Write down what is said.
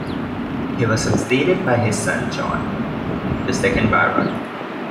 He was succeeded by his son John, the second Baron.